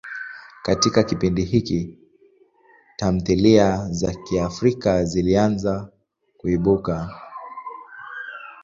Katika kipindi hiki, tamthilia za Kiafrika zilianza kuibuka.